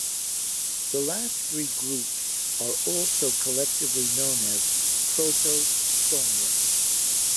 The last three groups are also collectively known as Protostomia.